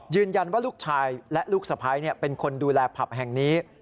ยืนยันว่าลูกชายและลูกสะพ้ายเป็นคนดูแลผับแห่งนี้